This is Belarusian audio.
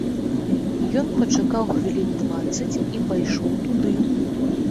Ён пачакаў хвілін дваццаць і пайшоў туды.